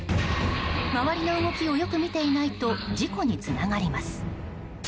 周りの動きをよく見ていないと事故につながります。